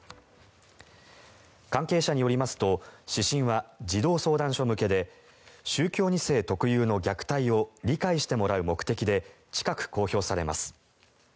関係者によりますと指針は児童相談所向けで宗教２世特有の虐待を理解してもらう目的で近く公表されます。